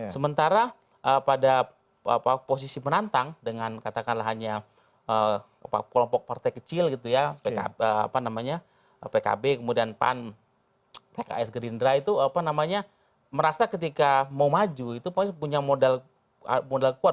sementara pada posisi menantang dengan katakanlah hanya kelompok partai kecil gitu ya pkb kemudian pan pks gerindra itu apa namanya merasa ketika mau maju itu pasti punya modal kuat